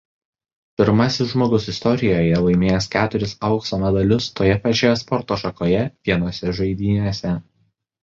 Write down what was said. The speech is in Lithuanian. Pirmasis žmogus istorijoje laimėjęs keturis aukso medalius toje pačioje sporto šakoje vienose žaidynėse.